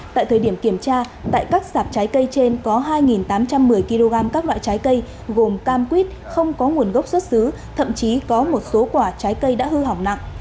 tại thời điểm kiểm tra tại các sạp trái cây trên có hai tám trăm một mươi kg các loại trái cây gồm cam quýt không có nguồn gốc xuất xứ thậm chí có một số quả trái cây đã hư hỏng nặng